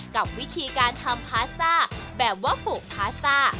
กับวิธีการทำพาสต้าแบบว่าผูกพาสต้า